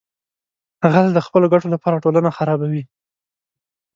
غل د خپلو ګټو لپاره ټولنه خرابوي